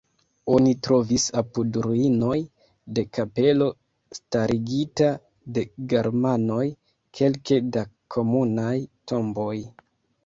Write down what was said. Oni trovis apud ruinoj de kapelo starigita de germanoj kelke da komunaj tomboj.